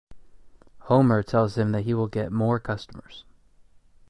Homer tells him that he will get more customers.